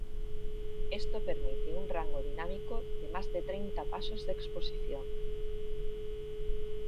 Esto permite un rango dinámico de más de treinta pasos de exposición.